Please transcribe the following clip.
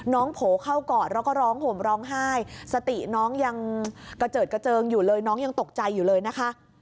โผล่เข้ากอดแล้วก็ร้องห่มร้องไห้สติน้องยังกระเจิดกระเจิงอยู่เลยน้องยังตกใจอยู่เลยนะคะ